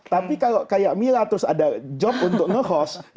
tapi kalau seperti mila terus ada kerja untuk mengusir